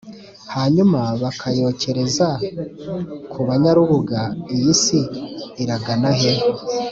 hanyuma bakayokereza kubanyarubuga iyi si iragana he?